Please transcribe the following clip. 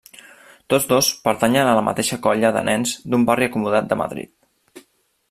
Tots dos pertanyen a la mateixa colla de nens d'un barri acomodat de Madrid.